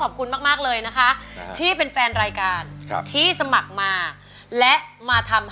ขอบคุณมากมากเลยนะคะที่เป็นแฟนรายการครับที่สมัครมาและมาทำ